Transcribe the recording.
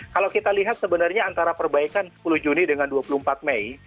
kalau kita lihat sebenarnya antara perbaikan sepuluh juni dengan dua puluh empat mei